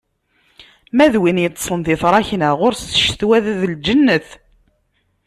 Ma d win yeṭṭsen di tṛakna, ɣur-s ccetwa d lǧennet.